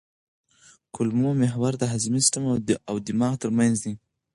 کولمو محور د هاضمي سیستم او دماغ ترمنځ دی.